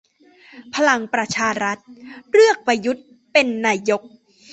พลังประชารัฐเลือกประยุทธเป็นนายก